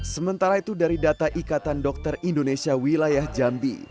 sementara itu dari data ikatan dokter indonesia wilayah jambi